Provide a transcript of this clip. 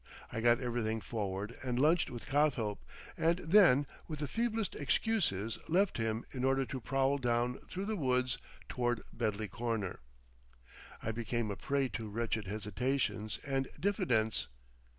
I got everything forward and lunched with Cothope, and then with the feeblest excuses left him in order to prowl down through the woods towards Bedley Corner. I became a prey to wretched hesitations and diffidence.